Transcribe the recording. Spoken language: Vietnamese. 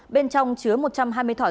bên trong chứa một trăm hai mươi thỏi thuốc